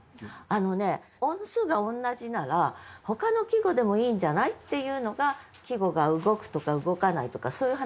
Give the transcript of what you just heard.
あのね音数が同じならほかの季語でもいいんじゃない？っていうのが季語が動くとか動かないとかそういう話になるんだけど。